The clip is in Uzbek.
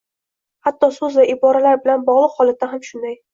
Hatto soʻz va iboralar bilan bogʻliq holatda ham shunday